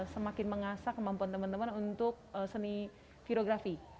semakin mengasah kemampuan teman teman untuk seni virografi